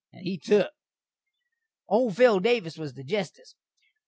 And he took. Old Phil Davis was the jestice.